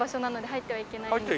入ってはいけないの？